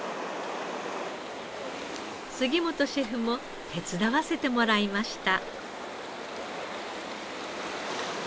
杉本シェフも手伝わせてもらいました。